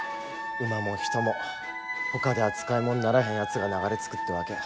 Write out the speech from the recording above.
馬も人もほかでは使いもんにならへんやつらが流れつくってわけや。